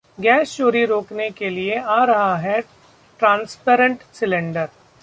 gas चोरी रोकने के लिए आ रहा है ट्रांसपेरेंट सिलेंडर